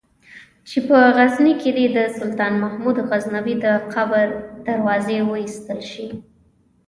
چې په غزني کې دې د سلطان محمود غزنوي د قبر دروازې وایستل شي.